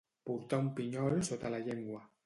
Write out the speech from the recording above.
Portar un pinyol sota la llengua.